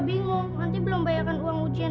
bingung nanti belum bayarkan uang ujian